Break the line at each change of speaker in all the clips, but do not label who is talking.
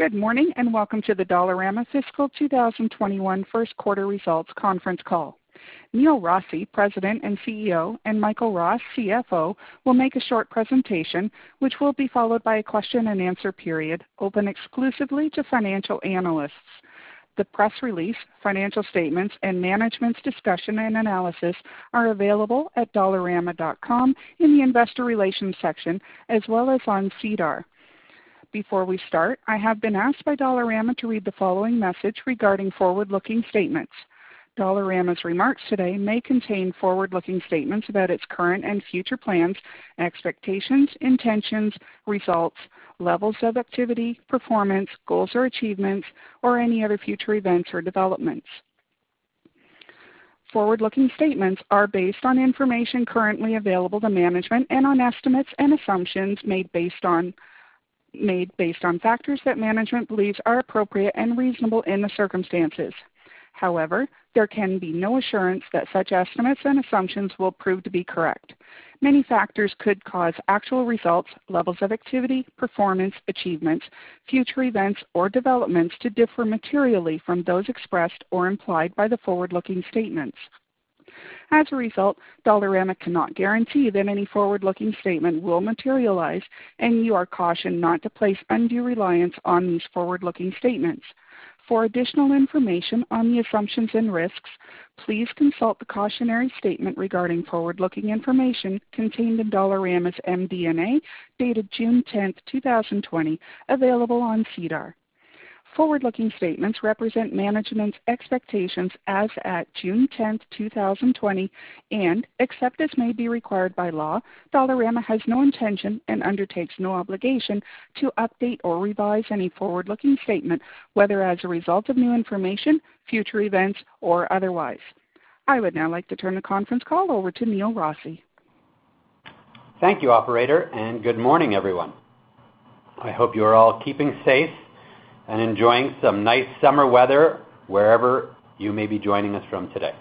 Good morning, welcome to the Dollarama Fiscal 2021 Q1 Results Conference Call. Neil Rossy, President and CEO, and Michael Ross, CFO, will make a short presentation, which will be followed by a question-and-answer period open exclusively to financial analysts. The press release, financial statements, and management's discussion and analysis are available at dollarama.com in the Investor Relations section as well as on SEDAR. Before we start, I have been asked by Dollarama to read the following message regarding forward-looking statements. Dollarama's remarks today may contain forward-looking statements about its current and future plans, expectations, intentions, results, levels of activity, performance, goals, or achievements, or any other future events or developments. Forward-looking statements are based on information currently available to management and on estimates and assumptions made based on factors that management believes are appropriate and reasonable in the circumstances. However, there can be no assurance that such estimates and assumptions will prove to be correct. Many factors could cause actual results, levels of activity, performance, achievements, future events, or developments to differ materially from those expressed or implied by the forward-looking statements. As a result, Dollarama cannot guarantee that any forward-looking statement will materialize, and you are cautioned not to place undue reliance on these forward-looking statements. For additional information on the assumptions and risks, please consult the cautionary statement regarding forward-looking information contained in Dollarama's MD&A, dated June 10th, 2020, available on SEDAR. Forward-looking statements represent management's expectations as at June 10th, 2020, and except as may be required by law, Dollarama has no intention and undertakes no obligation to update or revise any forward-looking statement, whether as a result of new information, future events, or otherwise. I would now like to turn the conference call over to Neil Rossy.
Thank you, operator, and good morning, everyone. I hope you are all keeping safe and enjoying some nice summer weather wherever you may be joining us from today.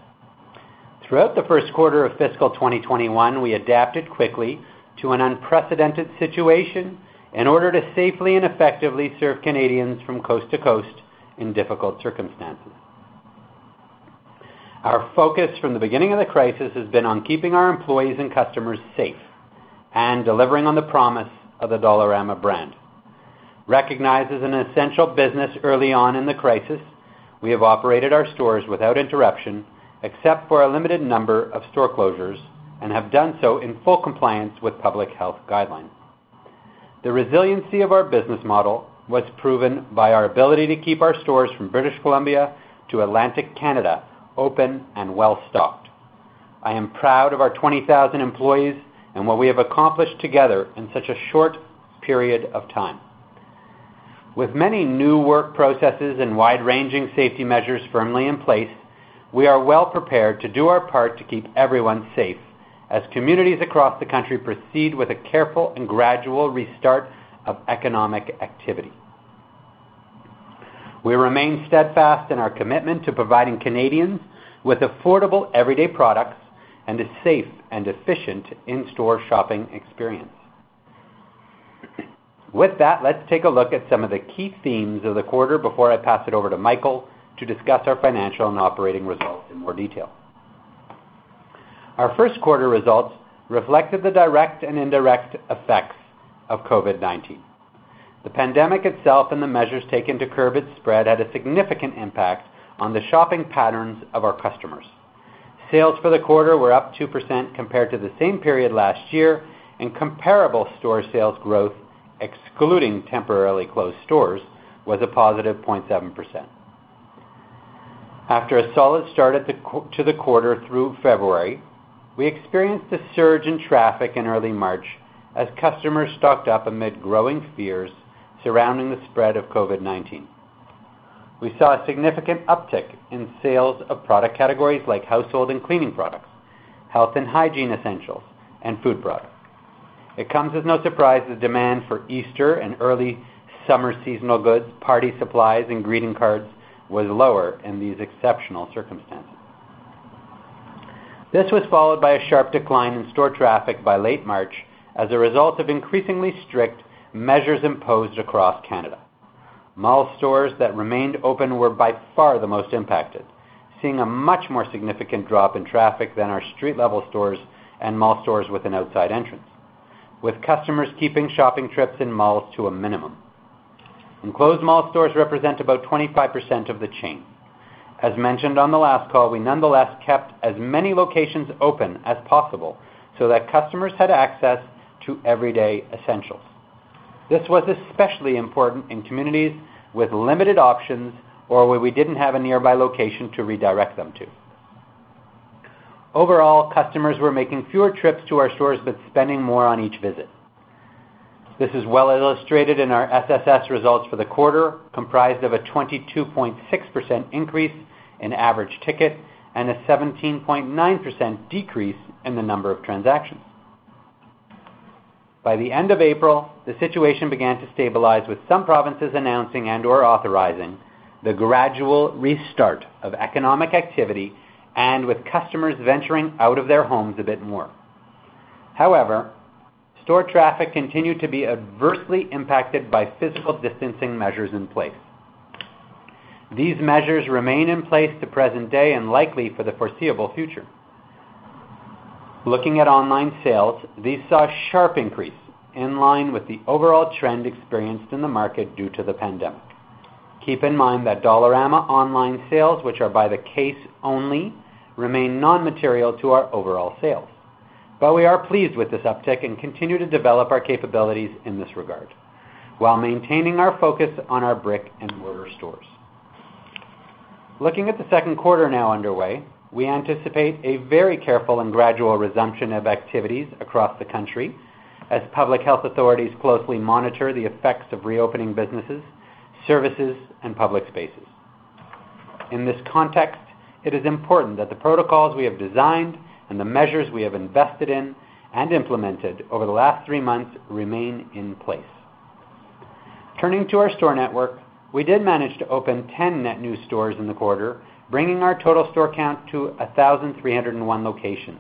Throughout the Q1 of fiscal 2021, we adapted quickly to an unprecedented situation in order to safely and effectively serve Canadians from coast to coast in difficult circumstances. Our focus from the beginning of the crisis has been on keeping our employees and customers safe and delivering on the promise of the Dollarama brand. Recognized as an essential business early on in the crisis, we have operated our stores without interruption except for a limited number of store closures and have done so in full compliance with public health guidelines. The resiliency of our business model was proven by our ability to keep our stores from British Columbia to Atlantic Canada open and well-stocked. I am proud of our 20,000 employees and what we have accomplished together in such a short period of time. With many new work processes and wide-ranging safety measures firmly in place, we are well-prepared to do our part to keep everyone safe as communities across the country proceed with a careful and gradual restart of economic activity. We remain steadfast in our commitment to providing Canadians with affordable, everyday products and a safe and efficient in-store shopping experience. With that, let's take a look at some of the key themes of the quarter before I pass it over to Michael to discuss our financial and operating results in more detail. Our Q1 results reflected the direct and indirect effects of COVID-19. The pandemic itself and the measures taken to curb its spread had a significant impact on the shopping patterns of our customers. Sales for the quarter were up 2% compared to the same period last year, and comparable store sales growth, excluding temporarily closed stores, was a positive 0.7%. After a solid start to the quarter through February, we experienced a surge in traffic in early March as customers stocked up amid growing fears surrounding the spread of COVID-19. We saw a significant uptick in sales of product categories like household and cleaning products, health and hygiene essentials, and food products. It comes as no surprise the demand for Easter and early summer seasonal goods, party supplies, and greeting cards was lower in these exceptional circumstances. This was followed by a sharp decline in store traffic by late March as a result of increasingly strict measures imposed across Canada. Mall stores that remained open were by far the most impacted, seeing a much more significant drop in traffic than our street-level stores and mall stores with an outside entrance, with customers keeping shopping trips in malls to a minimum. Enclosed mall stores represent about 25% of the chain. As mentioned on the last call, we nonetheless kept as many locations open as possible so that customers had access to everyday essentials. This was especially important in communities with limited options or where we didn't have a nearby location to redirect them to. Overall, customers were making fewer trips to our stores but spending more on each visit. This is well illustrated in our SSS results for the quarter, comprised of a 22.6% increase in average ticket and a 17.9% decrease in the number of transactions. By the end of April, the situation began to stabilize with some provinces announcing and/or authorizing the gradual restart of economic activity and with customers venturing out of their homes a bit more. However, store traffic continued to be adversely impacted by physical distancing measures in place. These measures remain in place to present day and likely for the foreseeable future. Looking at online sales, these saw a sharp increase in line with the overall trend experienced in the market due to the pandemic. Keep in mind that Dollarama online sales, which are by the case only, remain non-material to our overall sales. We are pleased with this uptick and continue to develop our capabilities in this regard while maintaining our focus on our brick-and-mortar stores. Looking at the Q2 now underway, we anticipate a very careful and gradual resumption of activities across the country as public health authorities closely monitor the effects of reopening businesses, services, and public spaces. In this context, it is important that the protocols we have designed and the measures we have invested in and implemented over the last three months remain in place. Turning to our store network, we did manage to open 10 net new stores in the quarter, bringing our total store count to 1,301 locations.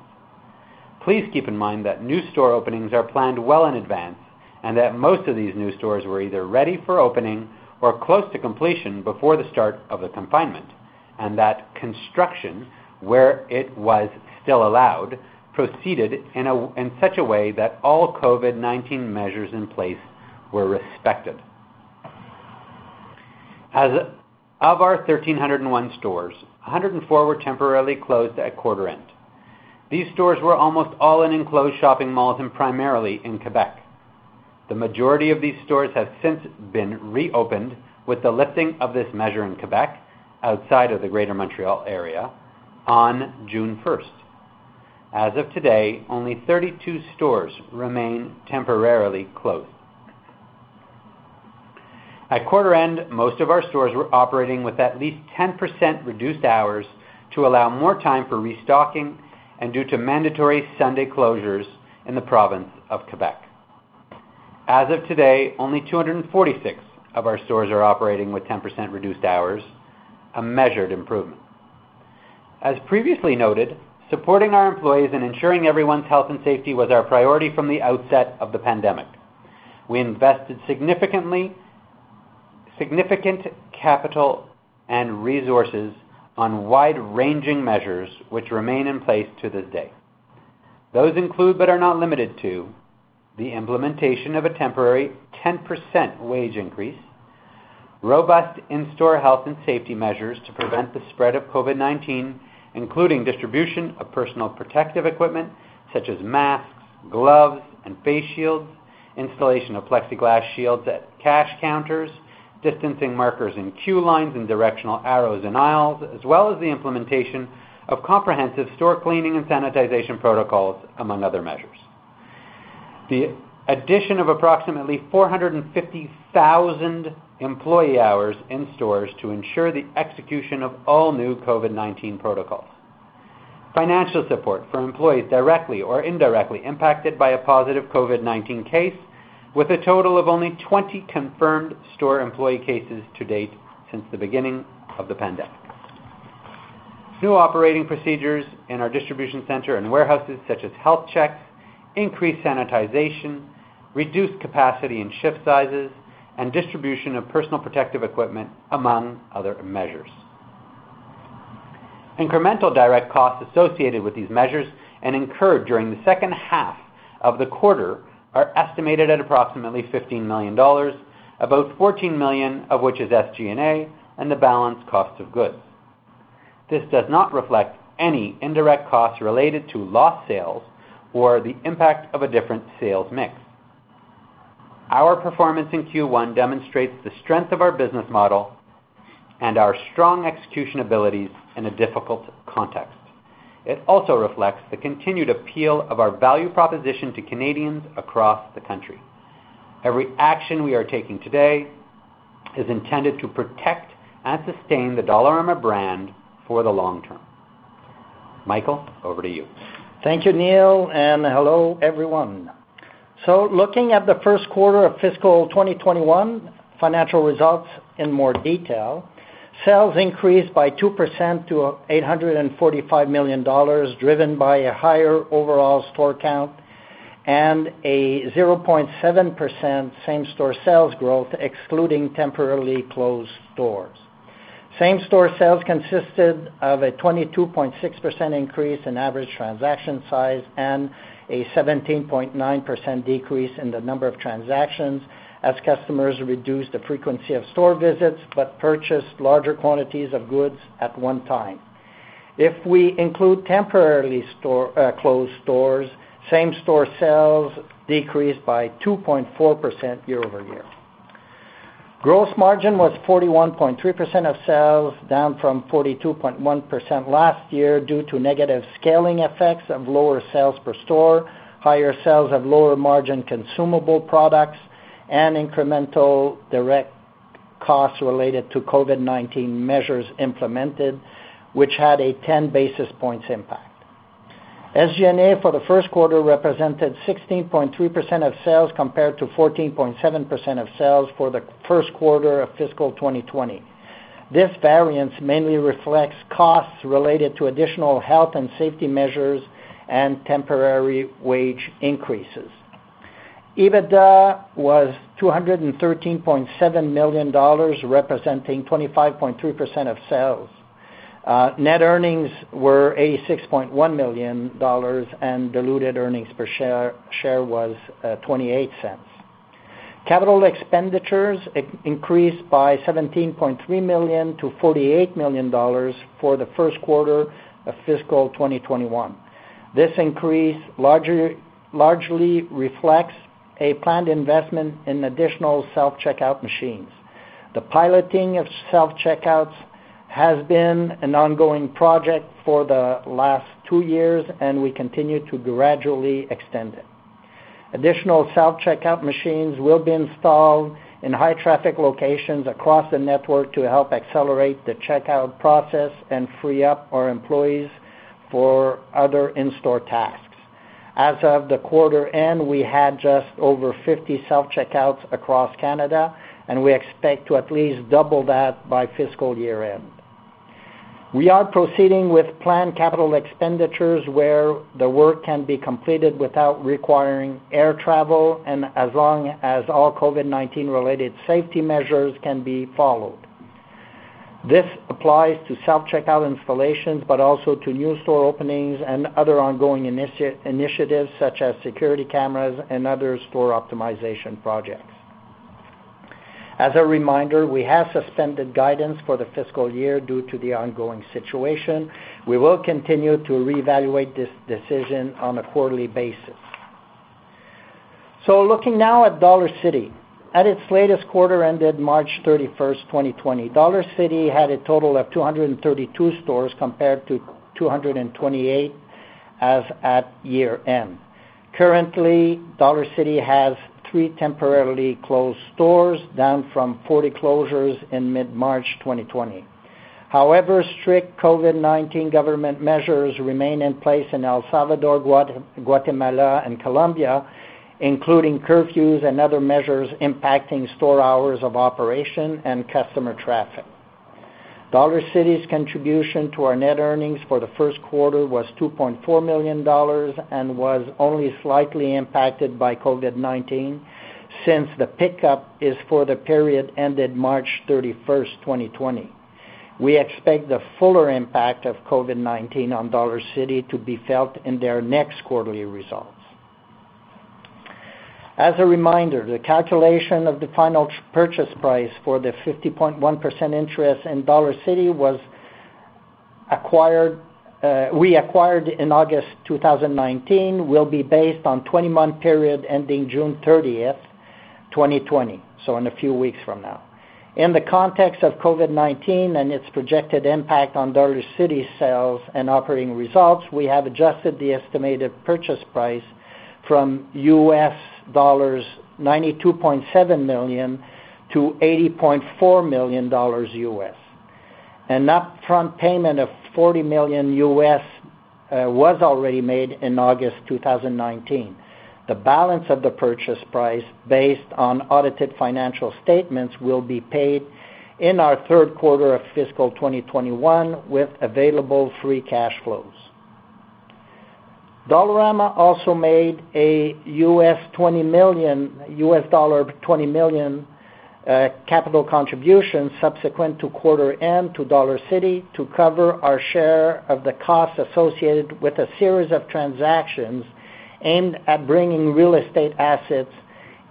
Please keep in mind that new store openings are planned well in advance, and that most of these new stores were either ready for opening or close to completion before the start of the confinement, and that construction, where it was still allowed, proceeded in such a way that all COVID-19 measures in place were respected. Of our 1,301 stores, 104 were temporarily closed at quarter end. These stores were almost all in enclosed shopping malls and primarily in Quebec. The majority of these stores have since been reopened with the lifting of this measure in Quebec, outside of the greater Montreal area, on June 1st. As of today, only 32 stores remain temporarily closed. At quarter end, most of our stores were operating with at least 10% reduced hours to allow more time for restocking and due to mandatory Sunday closures in the province of Quebec. As of today, only 246 of our stores are operating with 10% reduced hours, a measured improvement. As previously noted, supporting our employees and ensuring everyone's health and safety was our priority from the outset of the pandemic. We invested significant capital and resources on wide-ranging measures which remain in place to this day. Those include, but are not limited to, the implementation of a temporary 10% wage increase, robust in-store health and safety measures to prevent the spread of COVID-19, including distribution of personal protective equipment such as masks, gloves, and face shields, installation of plexiglass shields at cash counters, distancing markers in queue lines and directional arrows in aisles, as well as the implementation of comprehensive store cleaning and sanitization protocols, among other measures. The addition of approximately 450,000 employee hours in stores to ensure the execution of all new COVID-19 protocols. Financial support for employees directly or indirectly impacted by a positive COVID-19 case with a total of only 20 confirmed store employee cases to date since the beginning of the pandemic. New operating procedures in our distribution center and warehouses such as health checks, increased sanitization, reduced capacity in shift sizes, and distribution of personal protective equipment, among other measures. Incremental direct costs associated with these measures and incurred during the second half of the quarter are estimated at approximately 15 million dollars, about 14 million of which is SG&A and the balance cost of goods. This does not reflect any indirect costs related to lost sales or the impact of a different sales mix. Our performance in Q1 demonstrates the strength of our business model and our strong execution abilities in a difficult context. It also reflects the continued appeal of our value proposition to Canadians across the country. Every action we are taking today is intended to protect and sustain the Dollarama brand for the long term. Michael, over to you.
Thank you, Neil, and hello, everyone. Looking at the Q1 of fiscal 2021 financial results in more detail, sales increased by 2% to 845 million dollars, driven by a higher overall store count and a 0.7% same-store sales growth excluding temporarily closed stores. Same-store sales consisted of a 22.6% increase in average transaction size and a 17.9% decrease in the number of transactions as customers reduced the frequency of store visits but purchased larger quantities of goods at one time. If we include temporarily closed stores, same-store sales decreased by 2.4% year-over-year. Gross margin was 41.3% of sales, down from 42.1% last year due to negative scaling effects of lower sales per store, higher sales of lower-margin consumable products, and incremental direct costs related to COVID-19 measures implemented, which had a 10 basis points impact. SG&A for the Q1 represented 16.3% of sales compared to 14.7% of sales for the Q1 of fiscal 2020. This variance mainly reflects costs related to additional health and safety measures and temporary wage increases. EBITDA was 213.7 million dollars, representing 25.3% of sales. Net earnings were 86.1 million dollars, and diluted earnings per share was 0.28. Capital expenditures increased by 17.3 million to 48 million dollars for the Q1 of fiscal 2021. This increase largely reflects a planned investment in additional self-checkout machines. The piloting of self-checkouts has been an ongoing project for the last two years, and we continue to gradually extend it. Additional self-checkout machines will be installed in high-traffic locations across the network to help accelerate the checkout process and free up our employees for other in-store tasks. As of the quarter end, we had just over 50 self-checkouts across Canada, and we expect to at least double that by fiscal year-end. We are proceeding with planned capital expenditures where the work can be completed without requiring air travel and as long as all COVID-19-related safety measures can be followed. This applies to self-checkout installations, but also to new store openings and other ongoing initiatives, such as security cameras and other store optimization projects. As a reminder, we have suspended guidance for the fiscal year due to the ongoing situation. We will continue to reevaluate this decision on a quarterly basis. Looking now at Dollarcity. At its latest quarter ended March 31st, 2020, Dollarcity had a total of 232 stores compared to 228 as at year-end. Currently, Dollarcity has three temporarily closed stores, down from 40 closures in mid-March 2020. However, strict COVID-19 government measures remain in place in El Salvador, Guatemala, and Colombia, including curfews and other measures impacting store hours of operation and customer traffic. Dollarcity's contribution to our net earnings for the Q1 was 2.4 million dollars and was only slightly impacted by COVID-19 since the pickup is for the period ended March 31st, 2020. We expect the fuller impact of COVID-19 on Dollarcity to be felt in their next quarterly results. As a reminder, the calculation of the final purchase price for the 50.1% interest in Dollarcity we acquired in August 2019, will be based on 20-month period ending June 30th, 2020, so in a few weeks from now. In the context of COVID-19 and its projected impact on Dollarcity's sales and operating results, we have adjusted the estimated purchase price from US$92.7 million to $80.4 million US. An upfront payment of $40 million was already made in August 2019. The balance of the purchase price, based on audited financial statements, will be paid in our Q3 of fiscal 2021 with available free cash flows. Dollarama also made a $20 million capital contribution subsequent to quarter end to Dollarcity to cover our share of the costs associated with a series of transactions aimed at bringing real estate assets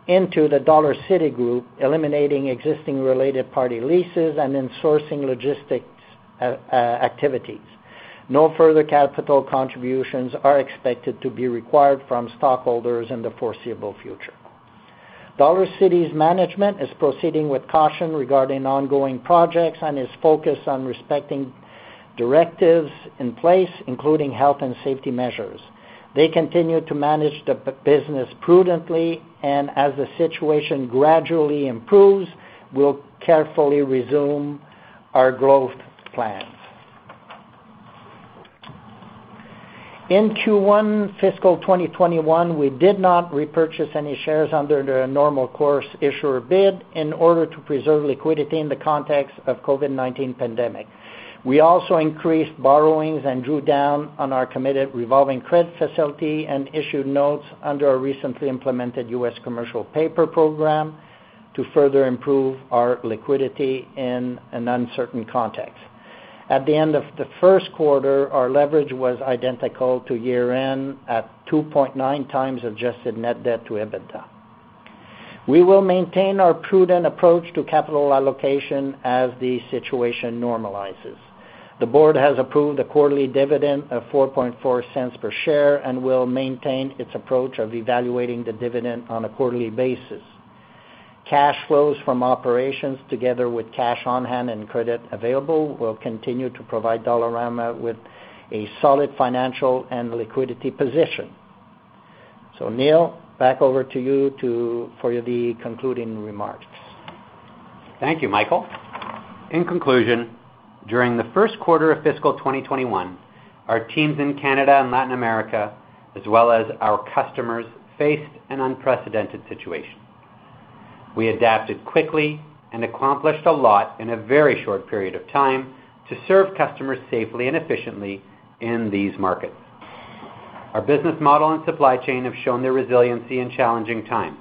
into the Dollarcity group, eliminating existing related party leases and insourcing logistics activities. No further capital contributions are expected to be required from stockholders in the foreseeable future. Dollarcity's management is proceeding with caution regarding ongoing projects and is focused on respecting directives in place, including health and safety measures. They continue to manage the business prudently, and as the situation gradually improves, will carefully resume our growth plans. In Q1 fiscal 2021, we did not repurchase any shares under the normal course issuer bid in order to preserve liquidity in the context of COVID-19 pandemic. We also increased borrowings and drew down on our committed revolving credit facility and issued notes under our recently implemented US commercial paper program to further improve our liquidity in an uncertain context. At the end of the Q1, our leverage was identical to year-end at 2.9x adjusted net debt to EBITDA. We will maintain our prudent approach to capital allocation as the situation normalizes. The board has approved a quarterly dividend of 0.044 per share and will maintain its approach of evaluating the dividend on a quarterly basis. Cash flows from operations, together with cash on hand and credit available, will continue to provide Dollarama with a solid financial and liquidity position. Neil, back over to you for the concluding remarks.
Thank you, Michael. During the Q1 of fiscal 2021, our teams in Canada and Latin America, as well as our customers, faced an unprecedented situation. We adapted quickly and accomplished a lot in a very short period of time to serve customers safely and efficiently in these markets. Our business model and supply chain have shown their resiliency in challenging times.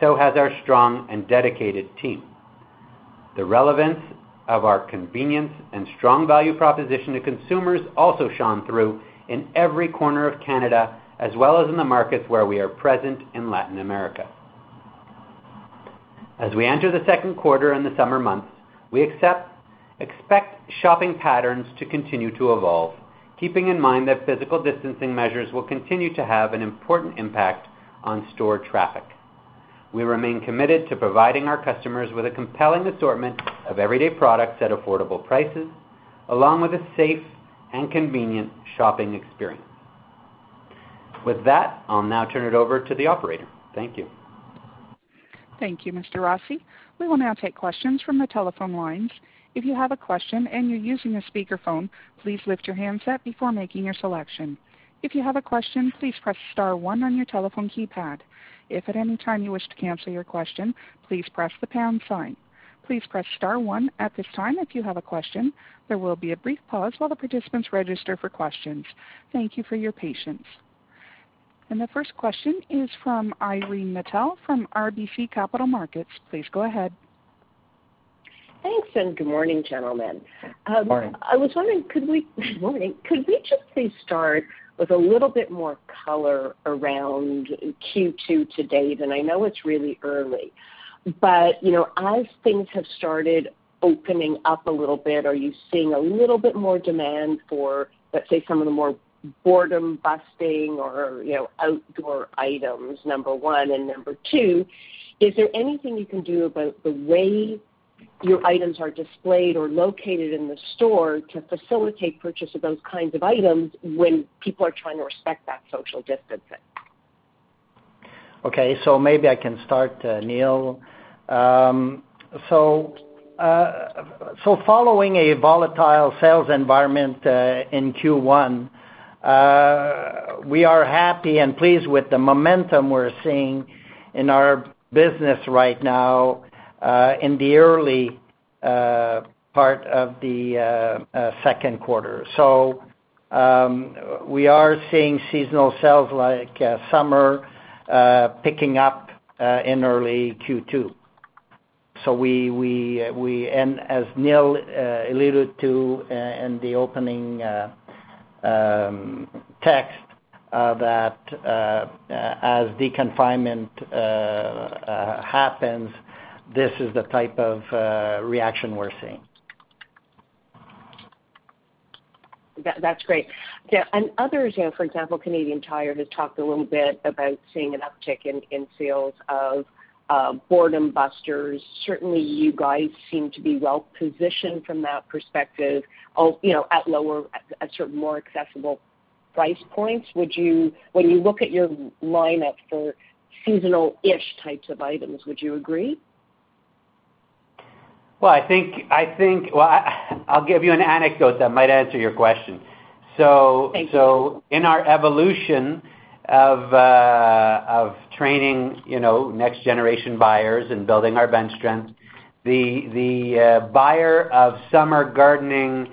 So has our strong and dedicated team. The relevance of our convenience and strong value proposition to consumers also shone through in every corner of Canada, as well as in the markets where we are present in Latin America. As we enter the Q2 in the summer months, we expect shopping patterns to continue to evolve, keeping in mind that physical distancing measures will continue to have an important impact on store traffic. We remain committed to providing our customers with a compelling assortment of everyday products at affordable prices, along with a safe and convenient shopping experience. With that, I'll now turn it over to the operator. Thank you.
Thank you, Mr. Rossy. We will now take questions from the telephone lines. If you have a question and you're using a speakerphone, please lift your handset before making your selection. If you have a question, please press *1 on your telephone keypad. If at any time you wish to cancel your question, please press the # sign. Please press *1 at this time if you have a question. There will be a brief pause while the participants register for questions. Thank you for your patience. The first question is from Irene Nattel of RBC Capital Markets. Please go ahead.
Thanks, good morning, gentlemen.
Morning.
I was wondering, could we just please start with a little bit more color around Q2 to date? I know it's really early, but as things have started opening up a little bit, are you seeing a little bit more demand for, let's say, some of the more boredom-busting or outdoor items, number one. Number two, is there anything you can do about the way your items are displayed or located in the store to facilitate purchase of those kinds of items when people are trying to respect that social distancing?
Okay, maybe I can start, Neil. Following a volatile sales environment in Q1, we are happy and pleased with the momentum we're seeing in our business right now in the early part of the Q2. We are seeing seasonal sales, like summer, picking up in early Q2. As Neil alluded to in the opening text, that as de-confinement happens, this is the type of reaction we're seeing.
That's great. Yeah, and others, for example, Canadian Tire, have talked a little bit about seeing an uptick in sales of boredom busters. Certainly, you guys seem to be well-positioned from that perspective at sort of more accessible price points. When you look at your lineup for seasonal-ish types of items, would you agree?
Well, I'll give you an anecdote that might answer your question.
Thank you.
In our evolution of training next-generation buyers and building our bench strength, the buyer of summer gardening,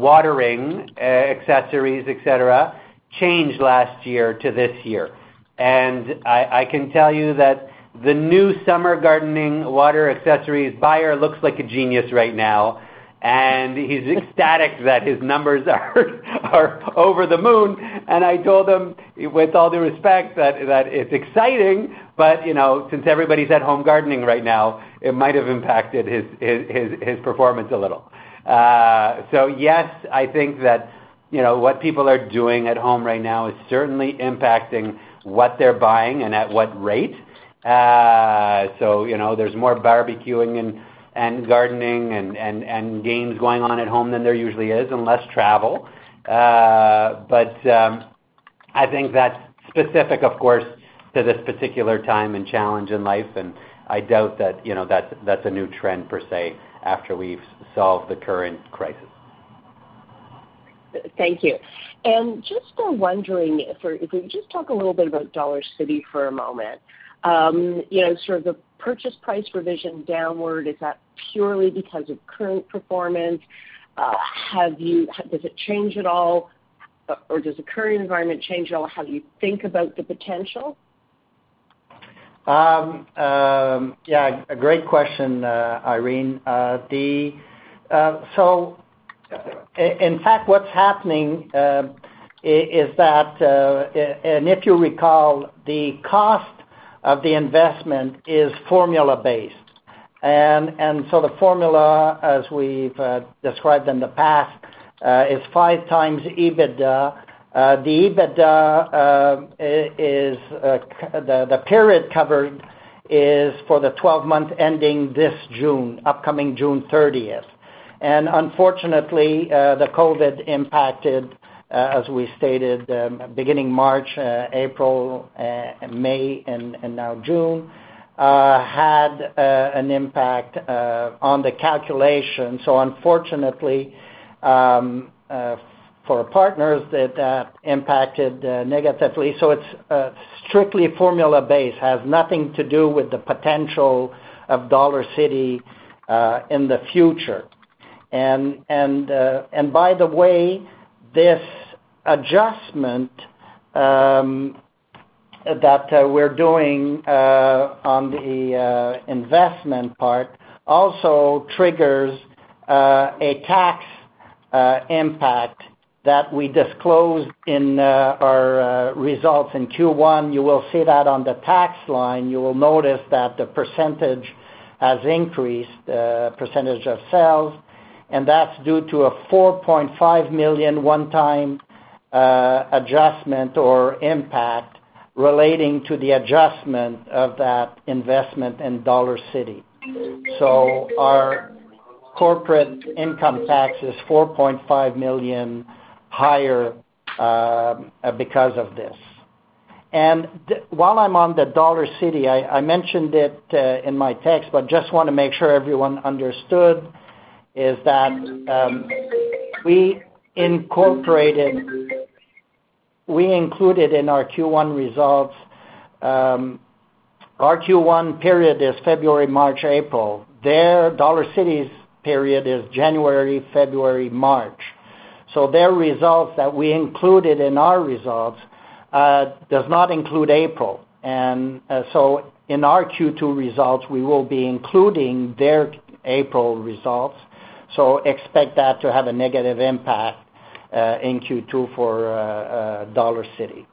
watering accessories, et cetera, changed last year to this year. I can tell you that the new summer gardening water accessories buyer looks like a genius right now, and he's ecstatic that his numbers are over the moon. I told him, with all due respect, that it's exciting, but since everybody's at home gardening right now, it might have impacted his performance a little. Yes, I think that what people are doing at home right now is certainly impacting what they're buying and at what rate. There's more barbecuing and gardening and games going on at home than there usually is, and less travel. I think that's specific, of course, to this particular time and challenge in life. I doubt that that's a new trend, per se, after we've solved the current crisis.
Thank you. Just wondering, if we could just talk a little bit about Dollarcity for a moment. Sort of the purchase price revision downward, is that purely because of current performance? Does it change at all, or does the current environment change at all how you think about the potential?
Yeah, a great question, Irene. In fact, what's happening is that, and if you recall, the cost of the investment is formula-based. The formula, as we've described in the past, is 5x EBITDA. The EBITDA, the period covered is for the 12 months ending this June, upcoming June 30th. Unfortunately, the COVID impacted as we stated, beginning March, April, May, and now June, had an impact on the calculation. Unfortunately, for partners, that impacted negatively. It's strictly formula base, has nothing to do with the potential of Dollarcity in the future. This adjustment that we're doing on the investment part also triggers a tax impact that we disclosed in our results in Q1. You will see that on the tax line, you will notice that the percentage has increased, percentage of sales, and that's due to a 4.5 million one-time adjustment or impact relating to the adjustment of that investment in Dollarcity. Our corporate income tax is 4.5 million higher because of this. While I'm on the Dollarcity, I mentioned it in my text, but just want to make sure everyone understood, is that we included in our Q1 results. Our Q1 period is February, March, April. Their Dollarcity's period is January, February, March. Their results that we included in our results does not include April. In our Q2 results, we will be including their April results, so expect that to have a negative impact in Q2 for Dollarcity.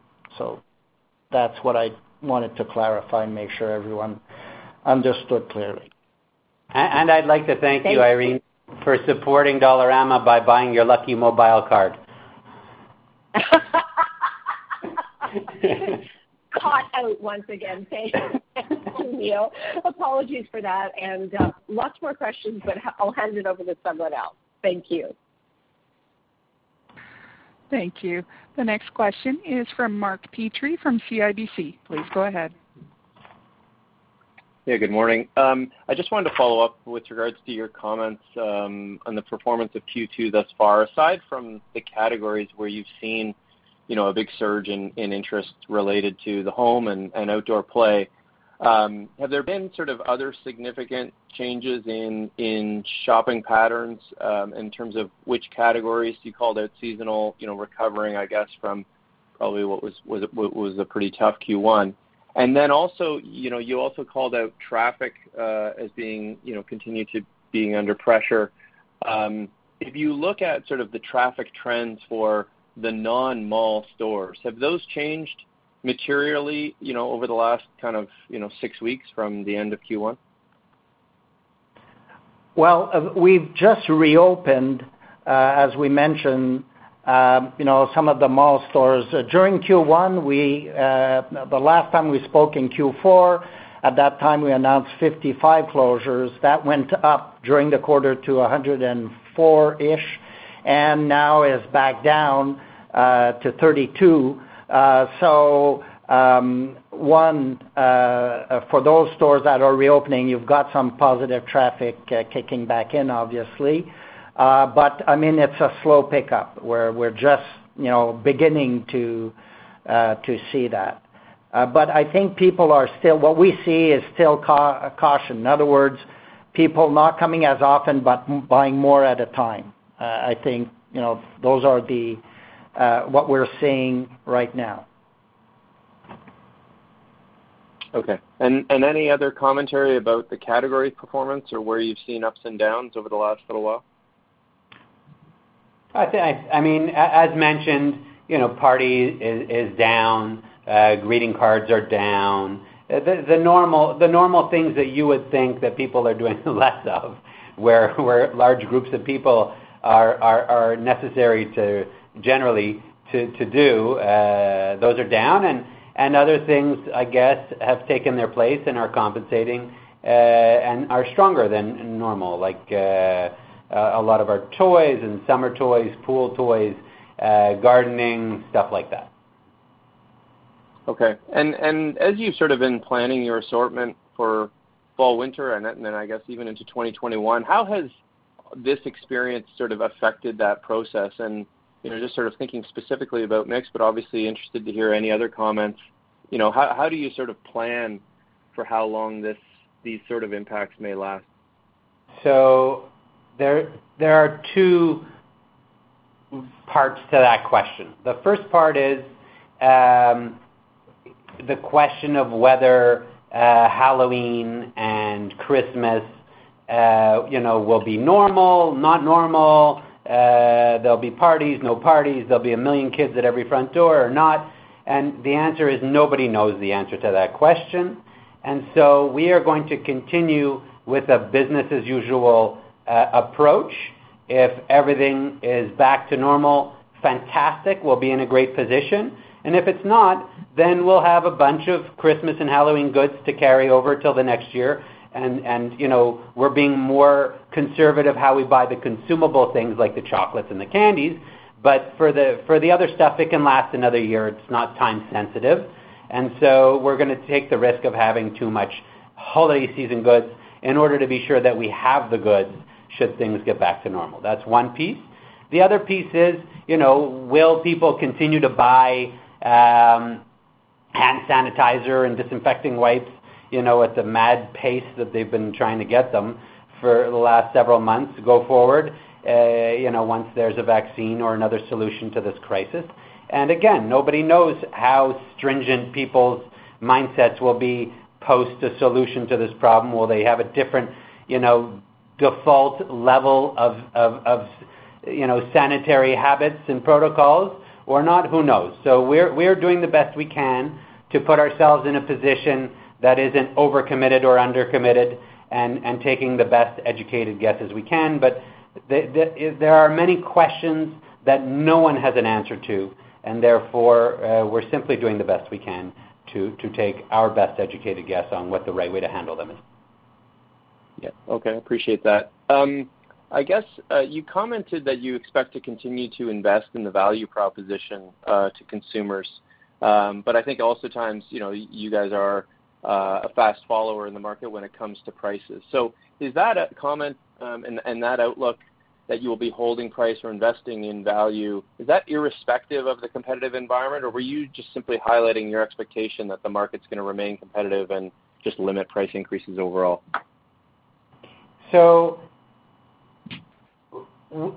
That's what I wanted to clarify and make sure everyone understood clearly. I'd like to thank you, Irene, for supporting Dollarama by buying your Lucky Mobile card.
Caught out once again. Thank you. Neil, Apologies for that, and lots more questions, but I'll hand it over to someone else. Thank you.
Thank you. The next question is from Mark Petrie from CIBC. Please go ahead.
Good morning. I just wanted to follow up with regards to your comments on the performance of Q2 thus far, aside from the categories where you've seen a big surge in interest related to the home and outdoor play. Have there been sort of other significant changes in shopping patterns, in terms of which categories you called out seasonal, recovering, I guess, from probably what was a pretty tough Q1? You also called out traffic as being continued to being under pressure. If you look at sort of the traffic trends for the non-mall stores, have those changed materially over the last kind of six weeks from the end of Q1?
We've just reopened, as we mentioned, some of the mall stores. During Q1, the last time we spoke in Q4, at that time, we announced 55 closures. That went up during the quarter to 104-ish, and now is back down to 32. One for those stores that are reopening, you've got some positive traffic kicking back in, obviously. It's a slow pickup, we're just beginning to see that. I think people are still, what we see is still caution. In other words, people not coming as often, but buying more at a time. I think those are what we're seeing right now.
Okay. Any other commentary about the category performance or where you've seen ups and downs over the last little while?
I'd say, as mentioned, party is down, greeting cards are down. The normal things that you would think that people are doing less of, where large groups of people are necessary to generally to do, those are down. Other things, I guess, have taken their place and are compensating and are stronger than normal, like a lot of our toys and summer toys, pool toys, gardening, stuff like that.
Okay. As you've sort of been planning your assortment for fall/winter and then I guess even into 2021, how has this experience sort of affected that process? Just sort of thinking specifically about mix, but obviously interested to hear any other comments. How do you sort of plan for how long these sort of impacts may last?
There are two parts to that question. The first part is the question of whether Halloween and Christmas will be normal, not normal, there'll be parties, no parties, there'll be a million kids at every front door or not. The answer is nobody knows the answer to that question. We are going to continue with a business as usual approach. If everything is back to normal, fantastic. We'll be in a great position. If it's not, then we'll have a bunch of Christmas and Halloween goods to carry over till the next year. We're being more conservative how we buy the consumable things like the chocolates and the candies, but for the other stuff, it can last another year. It's not time sensitive. We're going to take the risk of having too much holiday season goods in order to be sure that we have the goods should things get back to normal. That's one piece. The other piece is, will people continue to buy hand sanitizer and disinfecting wipes at the mad pace that they've been trying to get them for the last several months go forward, once there's a vaccine or another solution to this crisis? Again, nobody knows how stringent people's mindsets will be post a solution to this problem. Will they have a different default level of sanitary habits and protocols or not? Who knows? We are doing the best we can to put ourselves in a position that isn't over-committed or under-committed and taking the best educated guesses we can. There are many questions that no one has an answer to, and therefore, we're simply doing the best we can to take our best educated guess on what the right way to handle them is.
Yeah. Okay. Appreciate that. I guess, you commented that you expect to continue to invest in the value proposition to consumers. I think also times, you guys are a fast follower in the market when it comes to prices. Is that a comment and that outlook that you will be holding price or investing in value, is that irrespective of the competitive environment, or were you just simply highlighting your expectation that the market's going to remain competitive and just limit price increases overall?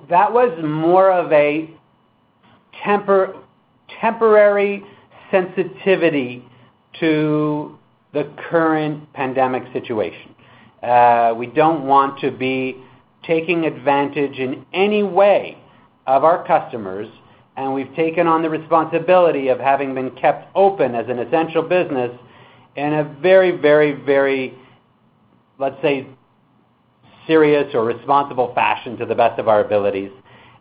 That was more of a temporary sensitivity to the current pandemic situation. We don't want to be taking advantage in any way of our customers, and we've taken on the responsibility of having been kept open as an essential business in a very, very, very, let's say, serious or responsible fashion to the best of our abilities.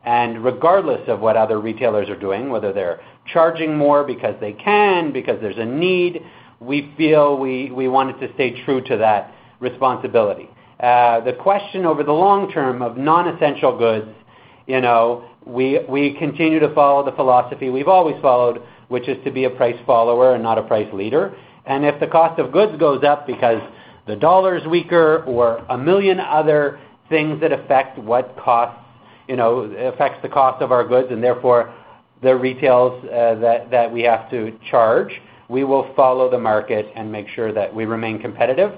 Regardless of what other retailers are doing, whether they're charging more because they can, because there's a need, we feel we wanted to stay true to that responsibility. The question over the long term of non-essential goods, we continue to follow the philosophy we've always followed, which is to be a price follower and not a price leader. If the cost of goods goes up because the Canadian dollar is weaker or a million other things that affect the cost of our goods and therefore the retails that we have to charge, we will follow the market and make sure that we remain competitive.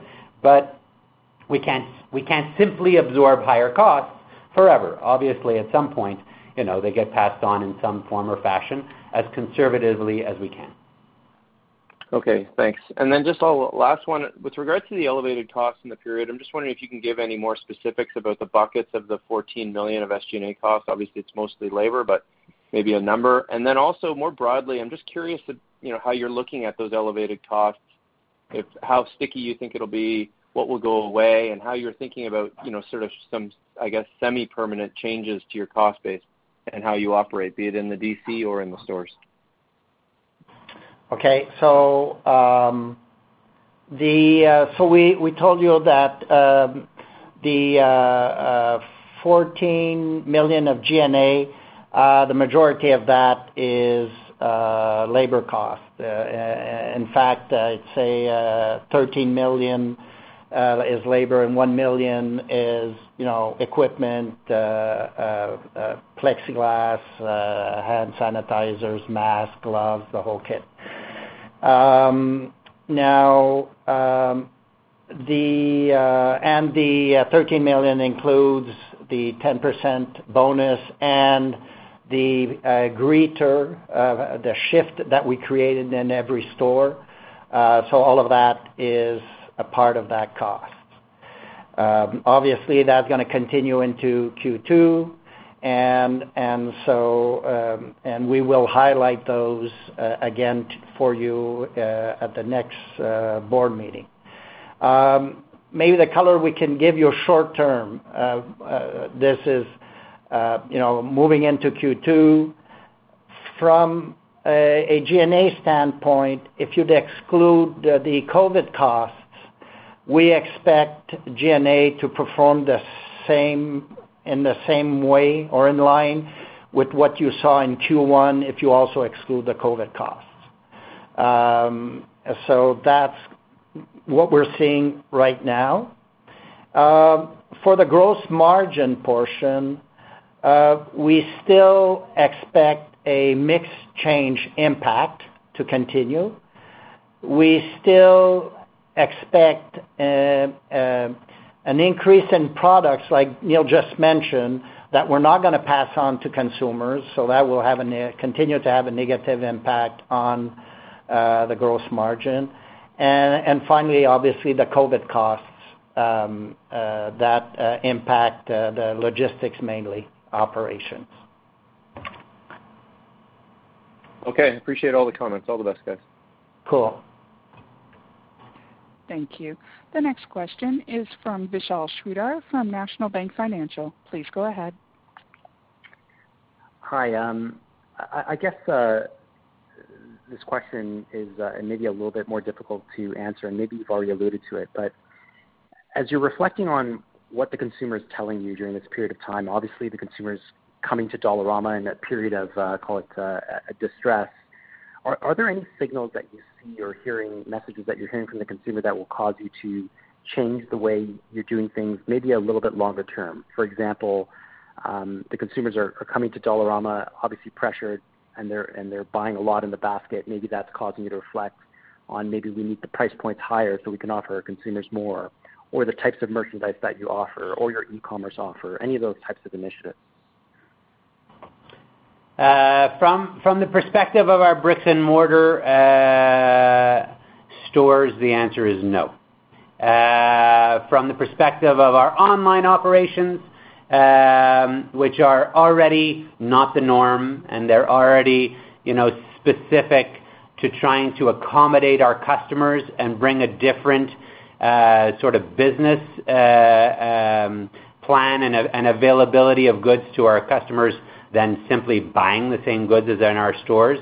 We can't simply absorb higher costs forever. Obviously, at some point, they get passed on in some form or fashion as conservatively as we can.
Okay, thanks. Just a last one. With regards to the elevated costs in the period, I'm just wondering if you can give any more specifics about the buckets of the 14 million of SG&A costs. Obviously, it's mostly labor, but maybe a number. Also more broadly, I'm just curious how you're looking at those elevated costs, how sticky you think it'll be, what will go away, and how you're thinking about sort of some, I guess, semi-permanent changes to your cost base and how you operate, be it in the DC or in the stores.
Okay. We told you that the 14 million of G&A, the majority of that is labor cost. In fact, I'd say 13 million is labor and 1 million is equipment, plexiglass, hand sanitizers, masks, gloves, the whole kit. The 13 million includes the 10% bonus and the greeter, the shift that we created in every store. All of that is a part of that cost. Obviously, that's going to continue into Q2, and we will highlight those again for you at the next board meeting. Maybe the color we can give you short-term, this is moving into Q2. From a G&A standpoint, if you'd exclude the COVID costs, we expect G&A to perform in the same way or in line with what you saw in Q1 if you also exclude the COVID costs. That's what we're seeing right now. For the gross margin portion, we still expect a mix change impact to continue. We still expect an increase in products like Neil just mentioned, that we're not going to pass on to consumers, that will continue to have a negative impact on the gross margin. Finally, obviously, the COVID costs that impact the logistics, mainly operations.
Okay. Appreciate all the comments. All the best, guys.
Thank you. The next question is from Vishal Shreedhar from National Bank Financial. Please go ahead.
Hi. I guess this question is maybe a little bit more difficult to answer, and maybe you've already alluded to it, but as you're reflecting on what the consumer's telling you during this period of time, obviously the consumer's coming to Dollarama in a period of, call it, a distress. Are there any signals that you see or hearing messages that you're hearing from the consumer that will cause you to change the way you're doing things, maybe a little bit longer term? For example, the consumers are coming to Dollarama, obviously pressured, and they're buying a lot in the basket. Maybe that's causing you to reflect on maybe we need the price points higher so we can offer our consumers more, or the types of merchandise that you offer or your e-commerce offer, any of those types of initiatives.
From the perspective of our bricks and mortar stores, the answer is no. From the perspective of our online operations, which are already not the norm, and they're already specific to trying to accommodate our customers and bring a different sort of business plan and availability of goods to our customers than simply buying the same goods as in our stores,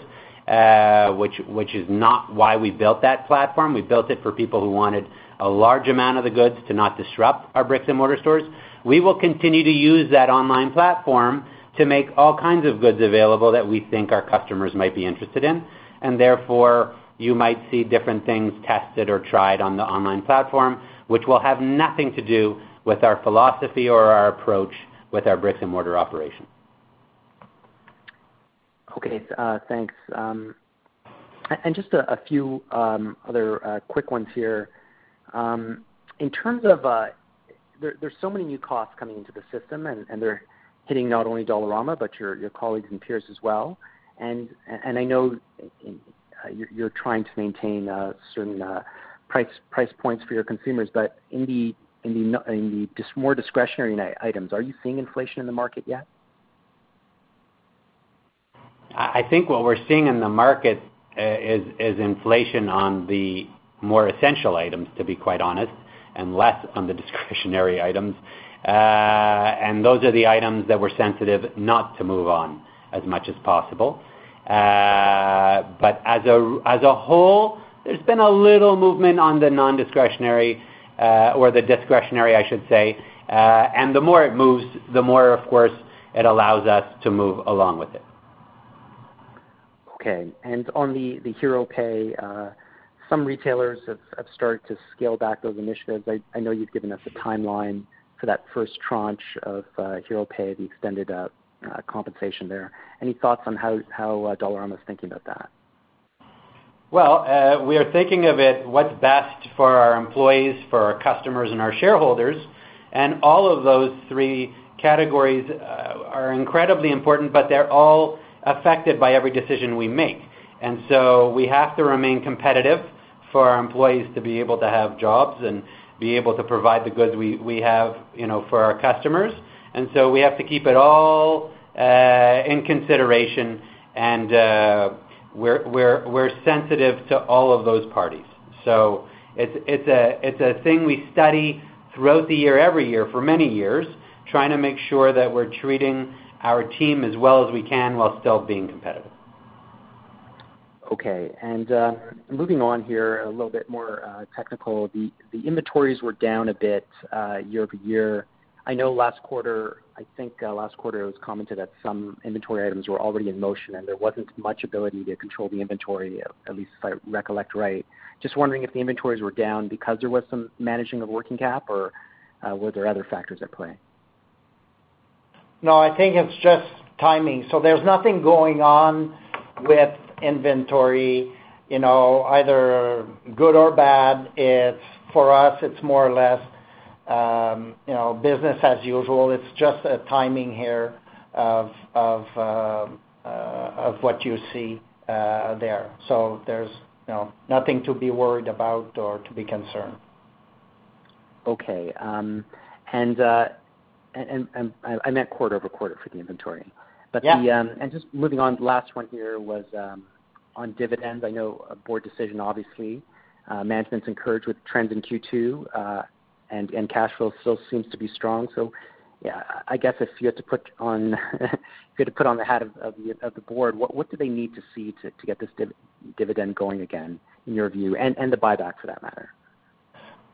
which is not why we built that platform. We built it for people who wanted a large amount of the goods to not disrupt our bricks and mortar stores. We will continue to use that online platform to make all kinds of goods available that we think our customers might be interested in. Therefore, you might see different things tested or tried on the online platform, which will have nothing to do with our philosophy or our approach with our bricks and mortar operation.
Okay. Thanks. Just a few other quick ones here. There's so many new costs coming into the system, and they're hitting not only Dollarama, but your colleagues and peers as well. I know you're trying to maintain certain price points for your consumers, but in the more discretionary items, are you seeing inflation in the market yet?
I think what we're seeing in the market is inflation on the more essential items, to be quite honest, and less on the discretionary items. Those are the items that we're sensitive not to move on as much as possible. As a whole, there's been a little movement on the non-discretionary, or the discretionary, I should say. The more it moves, the more, of course, it allows us to move along with it.
Okay. On the hero pay, some retailers have started to scale back those initiatives. I know you've given us a timeline for that first tranche of hero pay, the extended compensation there. Any thoughts on how Dollarama's thinking about that?
We are thinking of it, what's best for our employees, for our customers, and our shareholders. All of those three categories are incredibly important, but they're all affected by every decision we make. We have to remain competitive for our employees to be able to have jobs and be able to provide the goods we have for our customers. We have to keep it all in consideration, and we're sensitive to all of those parties. It's a thing we study throughout the year, every year for many years, trying to make sure that we're treating our team as well as we can while still being competitive.
Okay. Moving on here, a little bit more technical. The inventories were down a bit year-over-year. I know last quarter, I think last quarter it was commented that some inventory items were already in motion, and there wasn't much ability to control the inventory, at least if I recollect right. Just wondering if the inventories were down because there was some managing of working cap, or were there other factors at play?
I think it's just timing. There's nothing going on with inventory, either good or bad. For us, it's more or less business as usual. It's just a timing here of what you see there. There's nothing to be worried about or to be concerned.
Okay. I meant quarter-over-quarter for the inventory. Just moving on, the last one here was on dividends. I know a board decision, obviously. Management's encouraged with trends in Q2, and cash flow still seems to be strong. Yeah, I guess if you had to put on the hat of the board, what do they need to see to get this dividend going again, in your view, and the buyback for that matter?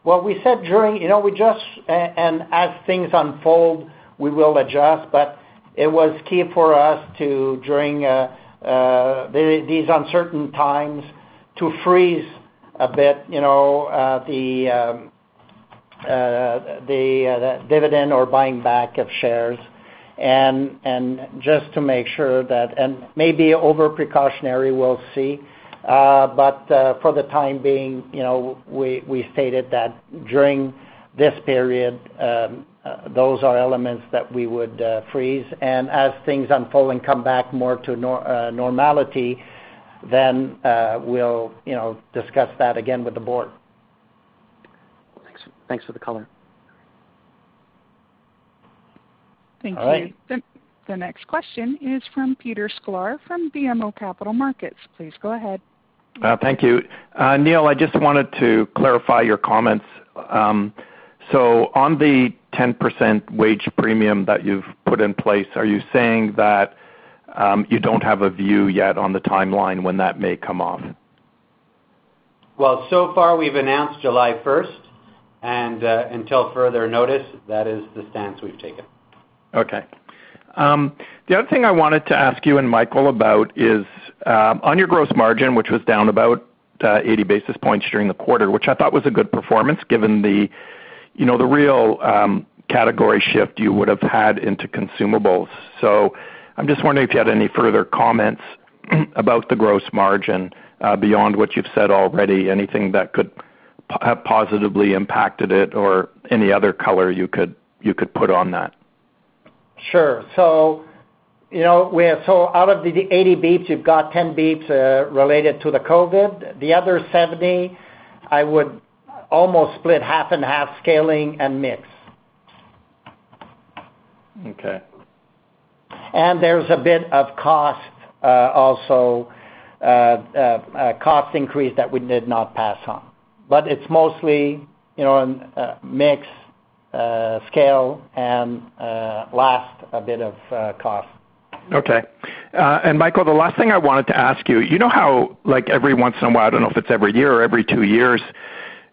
Well, we said, as things unfold, we will adjust, but it was key for us to, during these uncertain times, to freeze a bit the dividend or buying back of shares, just to make sure that, maybe over precautionary, we'll see. For the time being, we stated that during this period, those are elements that we would freeze. As things unfold and come back more to normality, we'll discuss that again with the board.
Thanks for the color.
Thank you.
All right.
The next question is from Peter Sklar from BMO Capital Markets. Please go ahead.
Thank you. Neil, I just wanted to clarify your comments. On the 10% wage premium that you've put in place, are you saying that you don't have a view yet on the timeline when that may come off?
Well, so far we've announced July 1st, and until further notice, that is the stance we've taken.
Okay. The other thing I wanted to ask you and Michael about is on your gross margin, which was down about 80 basis points during the quarter, which I thought was a good performance given the real category shift you would have had into consumables. I'm just wondering if you had any further comments about the gross margin, beyond what you've said already, anything that could have positively impacted it or any other color you could put on that.
Sure. Out of the 80 basis points, you've got 10 basis points related to the COVID. The other 70 basis points, I would almost split half and half scaling and mix.
Okay.
There's a bit of cost increase that we did not pass on. It's mostly mix, scale, and last, a bit of cost.
Okay. Michael, the last thing I wanted to ask you know how every once in a while, I don't know if it's every year or every two years,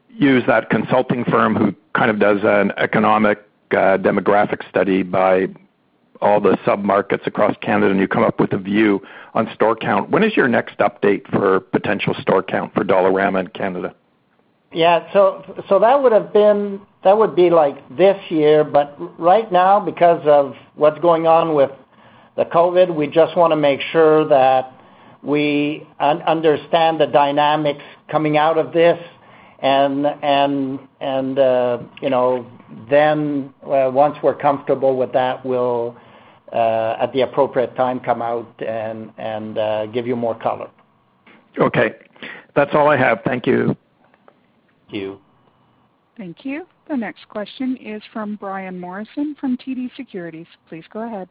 you use that consulting firm who kind of does an economic demographic study by all the sub-markets across Canada, and you come up with a view on store count. When is your next update for potential store count for Dollarama in Canada?
Yeah. That would be this year. Right now, because of what's going on with the COVID-19, we just want to make sure that we understand the dynamics coming out of this and then once we're comfortable with that, we'll, at the appropriate time, come out and give you more color.
Okay. That's all I have. Thank you.
Thank you.
Thank you. The next question is from Brian Morrison from TD Securities. Please go ahead.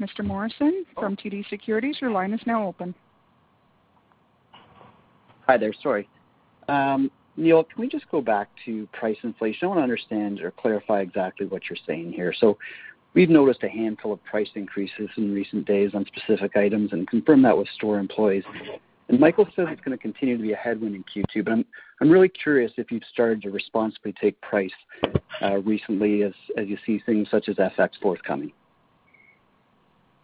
Mr. Morrison from TD Securities, your line is now open.
Hi there, sorry. Neil, can we just go back to price inflation? I want to understand or clarify exactly what you're saying here. We've noticed a handful of price increases in recent days on specific items and confirmed that with store employees. Michael says it's going to continue to be a headwind in Q2. I'm really curious if you've started to responsibly take price recently as you see things such as FX forthcoming.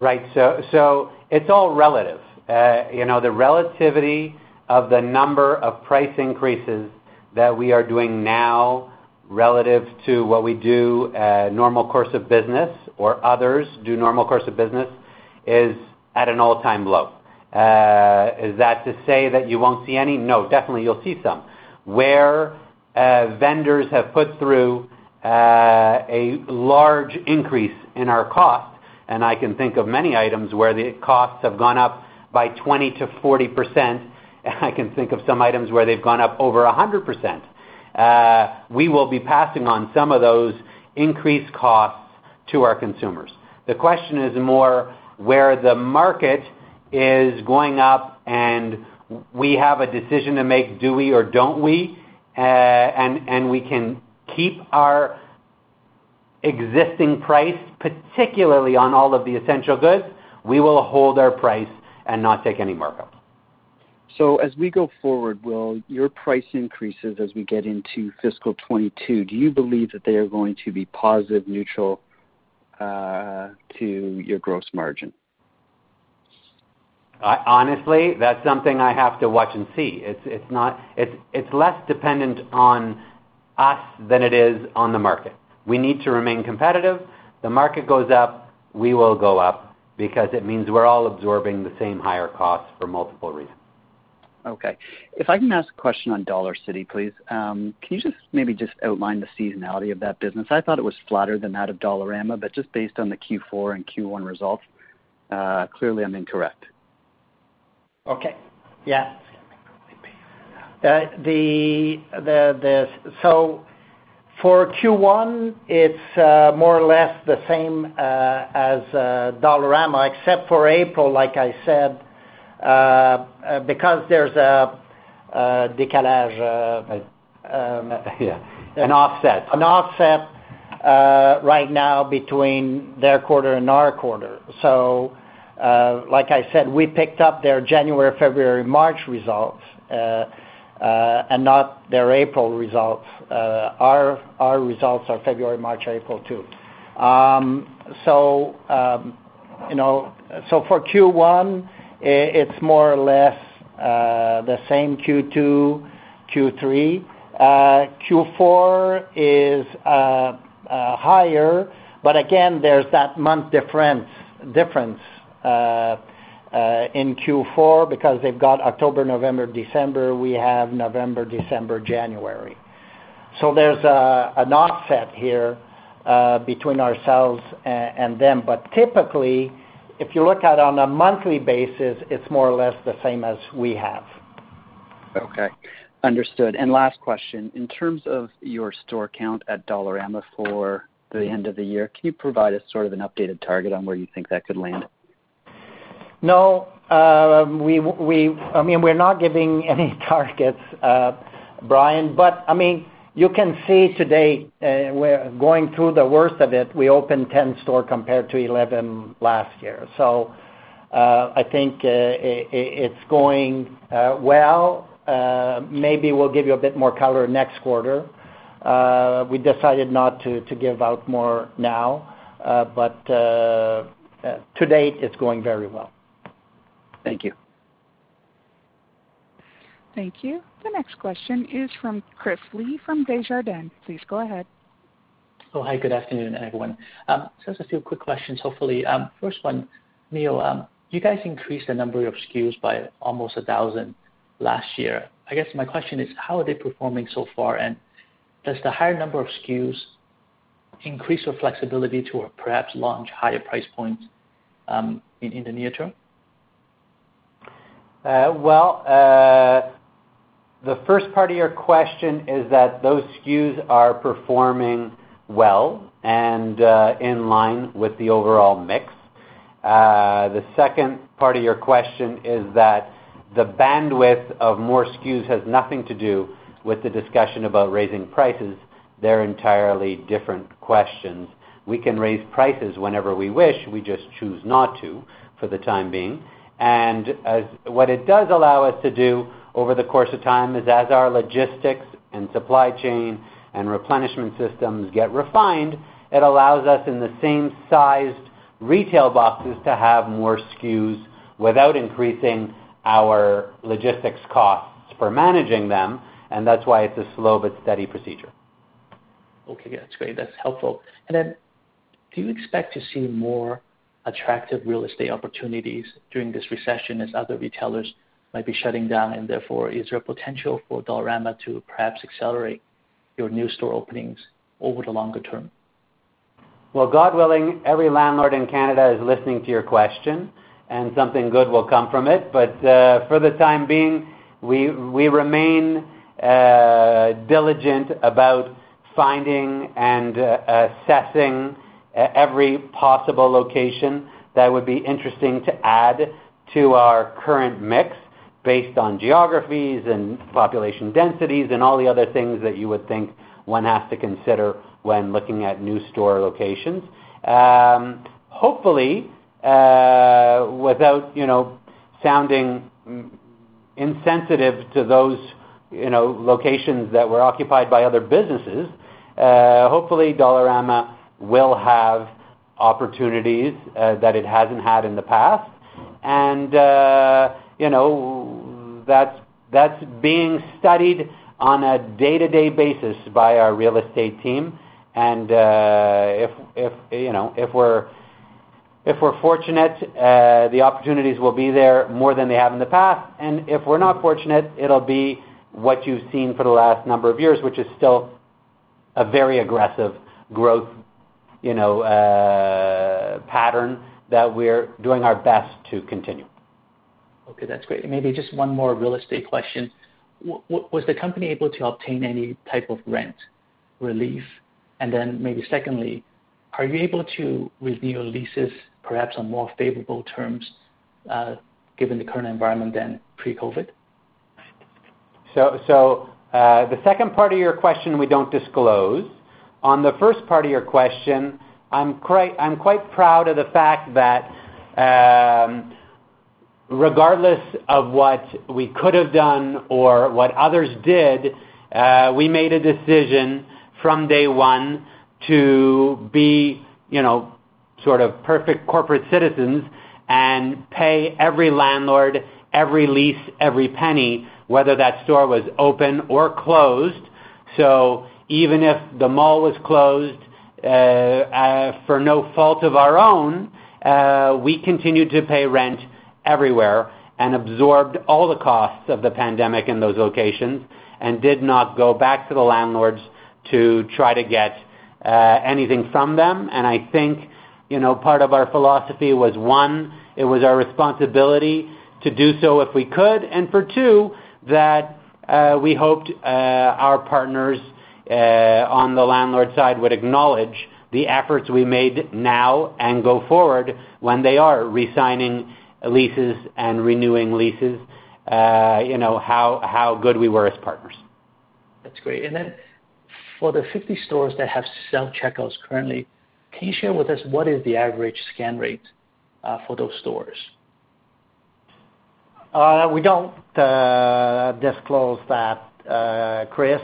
Right. It's all relative. The relativity of the number of price increases that we are doing now relative to what we do normal course of business or others do normal course of business is at an all-time low. Is that to say that you won't see any? No, definitely you'll see some. Where vendors have put through a large increase in our cost, and I can think of many items where the costs have gone up by 20%-40%, I can think of some items where they've gone up over 100%. We will be passing on some of those increased costs to our consumers. The question is more where the market is going up and we have a decision to make, do we or don't we. We can keep our existing price, particularly on all of the essential goods, we will hold our price and not take any markup.
As we go forward, will your price increases as we get into fiscal 2022, do you believe that they are going to be positive, neutral to your gross margin?
Honestly, that's something I have to watch and see. It's less dependent on us than it is on the market. We need to remain competitive. The market goes up, we will go up because it means we're all absorbing the same higher costs for multiple reasons.
Okay. If I can ask a question on Dollarcity, please. Can you just maybe just outline the seasonality of that business? I thought it was flatter than that of Dollarama, just based on the Q4 and Q1 results, clearly I'm incorrect.
Okay. Yeah. For Q1, it's more or less the same as Dollarama, except for April, like I said because there's an offset right now between their quarter and our quarter. Like I said, we picked up their January, February, March results, and not their April results. Our results are February, March, April, too. For Q1, it's more or less the same Q2, Q3. Q4 is higher, but again, there's that month difference in Q4 because they've got October, November, December. We have November, December, January. There's an offset here between ourselves and them. Typically, if you look at it on a monthly basis, it's more or less the same as we have.
Okay. Understood. Last question. In terms of your store count at Dollarama for the end of the year, can you provide us sort of an updated target on where you think that could land?
No. We're not giving any targets, Brian. You can see today we're going through the worst of it. We opened 10 stores compared to 11 last year. I think it's going well. Maybe we'll give you a bit more color next quarter. We decided not to give out more now. To date, it's going very well.
Thank you.
Thank you. The next question is from Chris Li from Desjardins. Please go ahead.
Oh, hi. Good afternoon, everyone. Just a few quick questions, hopefully. First one, Neil, you guys increased the number of SKUs by almost 1,000 last year. I guess my question is, how are they performing so far, and does the higher number of SKUs increase your flexibility to perhaps launch higher price points in the near term?
Well, the first part of your question is that those SKUs are performing well and in line with the overall mix. The second part of your question is that the bandwidth of more SKUs has nothing to do with the discussion about raising prices. They're entirely different questions. We can raise prices whenever we wish. We just choose not to for the time being. What it does allow us to do over the course of time is, as our logistics and supply chain and replenishment systems get refined, it allows us, in the same-sized retail boxes, to have more SKUs without increasing our logistics costs for managing them. That's why it's a slow but steady procedure.
Okay. Yeah, that's great. That's helpful. Do you expect to see more attractive real estate opportunities during this recession as other retailers might be shutting down? Is there a potential for Dollarama to perhaps accelerate your new store openings over the longer term?
Well, God willing, every landlord in Canada is listening to your question, and something good will come from it. For the time being, we remain diligent about finding and assessing every possible location that would be interesting to add to our current mix based on geographies and population densities and all the other things that you would think one has to consider when looking at new store locations. Hopefully, without sounding insensitive to those locations that were occupied by other businesses, hopefully Dollarama will have opportunities that it hasn't had in the past. That's being studied on a day-to-day basis by our real estate team. If we're fortunate, the opportunities will be there more than they have in the past. If we're not fortunate, it'll be what you've seen for the last number of years, which is still a very aggressive growth pattern that we're doing our best to continue.
Okay, that's great. Maybe just one more real estate question. Was the company able to obtain any type of rent relief? Then maybe secondly, are you able to review leases, perhaps on more favorable terms, given the current environment than pre-COVID?
The second part of your question we don't disclose. On the first part of your question, I'm quite proud of the fact that, regardless of what we could have done or what others did, we made a decision from day one to be sort of perfect corporate citizens and pay every landlord, every lease, every penny, whether that store was open or closed. Even if the mall was closed for no fault of our own, we continued to pay rent everywhere and absorbed all the costs of the pandemic in those locations and did not go back to the landlords to try to get anything from them. I think part of our philosophy was, one, it was our responsibility to do so if we could, and for two, that we hoped our partners on the landlord side would acknowledge the efforts we made now and go forward when they are resigning leases and renewing leases, how good we were as partners.
That's great. For the 50 stores that have self-checkouts currently, can you share with us what is the average scan rate for those stores?
We don't disclose that, Chris.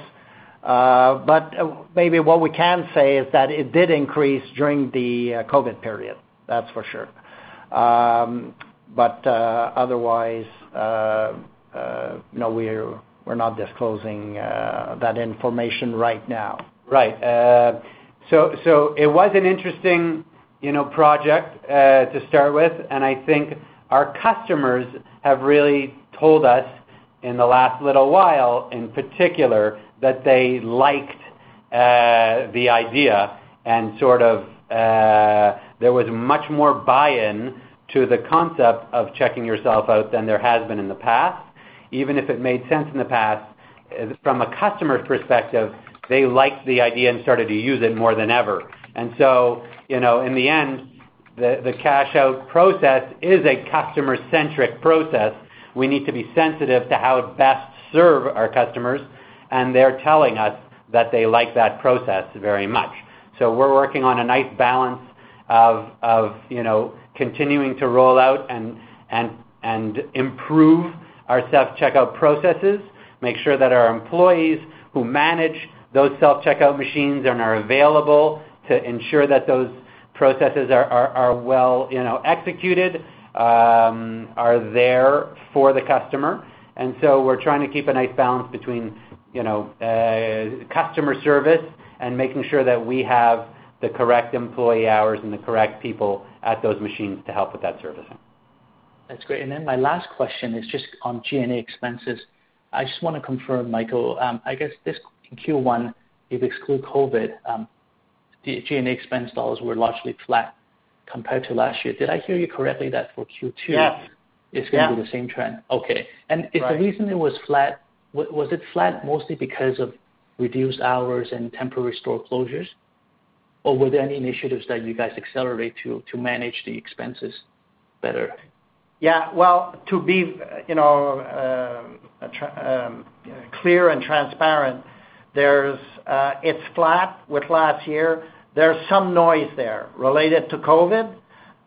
Maybe what we can say is that it did increase during the COVID period. That's for sure. Otherwise, no, we're not disclosing that information right now. Right. It was an interesting project to start with, and I think our customers have really told us in the last little while, in particular, that they liked the idea, and there was much more buy-in to the concept of checking yourself out than there has been in the past. Even if it made sense in the past, from a customer's perspective, they liked the idea and started to use it more than ever. In the end, the cash-out process is a customer-centric process. We need to be sensitive to how to best serve our customers, and they're telling us that they like that process very much. We're working on a nice balance of continuing to roll out and improve our self-checkout processes, make sure that our employees who manage those self-checkout machines and are available to ensure that those processes are well executed, are there for the customer. We're trying to keep a nice balance between customer service and making sure that we have the correct employee hours and the correct people at those machines to help with that servicing.
That's great. My last question is just on G&A expenses. I just want to confirm, Michael, I guess this Q1, if you exclude COVID, the G&A expense dollars were largely flat compared to last year. Did I hear you correctly that for Q2?
Yes
It's going to be the same trend? Okay. If the reason it was flat, was it flat mostly because of reduced hours and temporary store closures? Were there any initiatives that you guys accelerate to manage the expenses better?
Well, to be clear and transparent, it's flat with last year. There's some noise there related to COVID,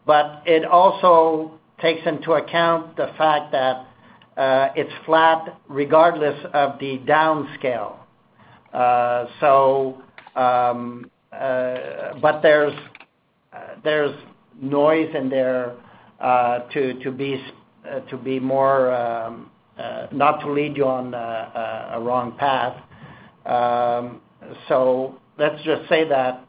but it also takes into account the fact that it's flat regardless of the downscale. There's noise in there, not to lead you on a wrong path. Let's just say that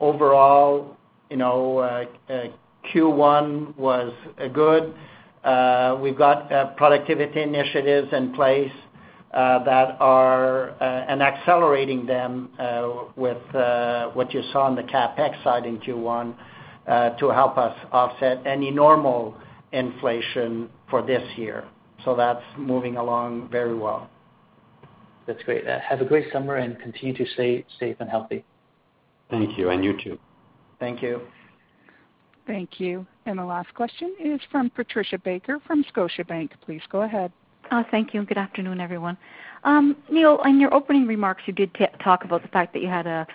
overall, Q1 was good. We've got productivity initiatives in place and accelerating them with what you saw on the CapEx side in Q1, to help us offset any normal inflation for this year. That's moving along very well.
That's great. Have a great summer, and continue to stay safe and healthy.
Thank you, and you, too.
Thank you.
Thank you. The last question is from Patricia Baker from Scotiabank. Please go ahead.
Thank you, good afternoon, everyone. Neil, in your opening remarks, you did talk about the fact that you had a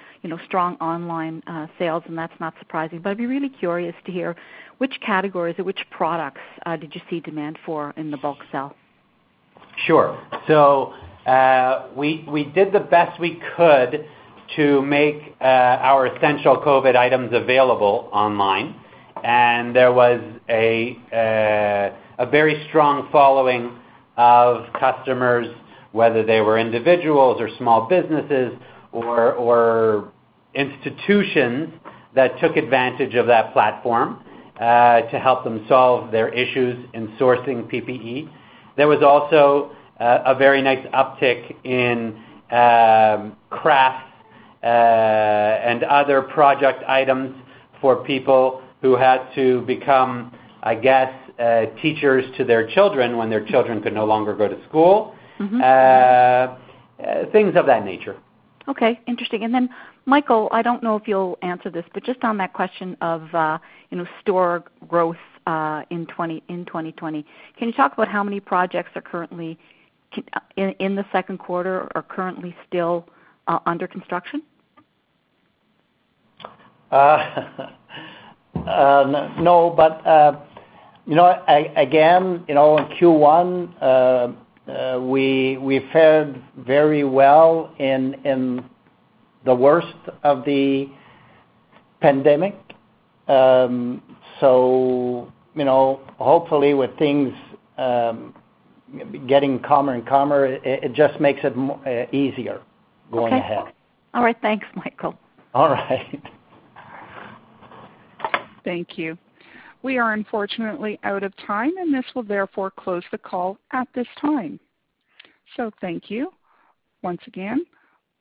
strong online sales, and that's not surprising. I'd be really curious to hear which categories or which products did you see demand for in the bulk sale?
Sure. We did the best we could to make our essential COVID-19 items available online, and there was a very strong following of customers, whether they were individuals or small businesses or institutions, that took advantage of that platform to help them solve their issues in sourcing PPE. There was also a very nice uptick in crafts and other project items for people who had to become, I guess, teachers to their children when their children could no longer go to school. Things of that nature.
Okay, interesting. Michael, I don't know if you'll answer this, but just on that question of store growth in 2020, can you talk about how many projects are currently in the Q2 or currently still under construction?
Again, in Q1, we fared very well in the worst of the pandemic. Hopefully with things getting calmer and calmer, it just makes it easier going ahead.
Okay. All right. Thanks, Michael.
All right.
Thank you. We are unfortunately out of time, and this will therefore close the call at this time. Thank you once again.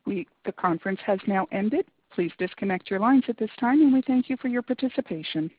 The conference has now ended. Please disconnect your lines at this time, and we thank you for your participation.